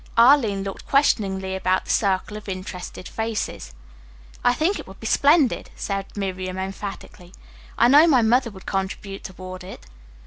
Arline looked questioningly about the circle of interested faces. "I think it would be splendid," said Miriam emphatically. "I know my mother would contribute toward it."